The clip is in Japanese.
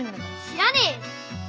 知らねえよ！